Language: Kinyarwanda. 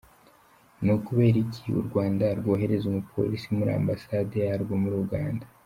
Ni ukubera iki u Rwanda rwohereza umupolisi muri Ambasade yarwo muri Uganda?